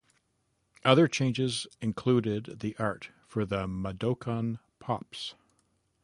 Other changes included the art for the Mudokon Pops!